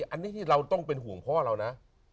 อันนี้ที่เราต้องเป็นห่วงพ่อเรานะ